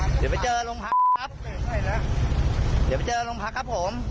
เดี๋ยวไปเจอลงพักครับเดี๋ยวไปเจอลงพักครับผม